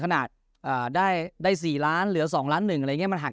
ขนาดอ่าได้ได้สี่ล้านเหลือสองล้านหนึ่งอะไรเงี้ยมันหัก